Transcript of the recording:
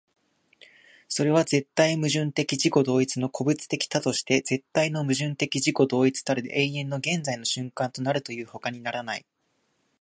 それは絶対矛盾的自己同一の個物的多として絶対の矛盾的自己同一たる永遠の現在の瞬間となるというにほかならない。